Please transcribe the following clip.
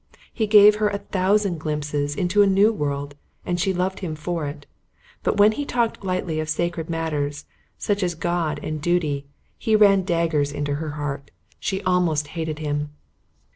He gave her a thousand glimpses into a new world, and she loved him for it. But when he talked lightly of sacred matters, such as God and Duty, he ran daggers into her heart. She almost hated him.